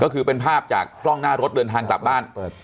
ก็คือเป็นภาพจากกล้องหน้ารถเดินทางกลับบ้าน